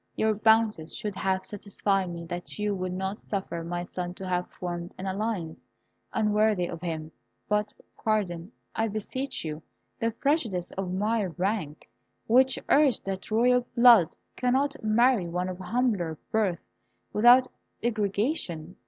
"Your bounties should have satisfied me that you would not suffer my son to have formed an alliance unworthy of him. But pardon, I beseech you, the prejudices of my rank, which urged that royal blood could not marry one of humbler birth without degradation.